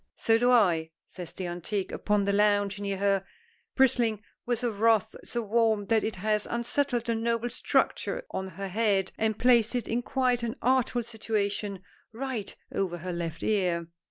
"So do I," says the antique upon the lounge near her, bristling with a wrath so warm that it has unsettled the noble structure on her head, and placed it in quite an artful situation, right over her left ear.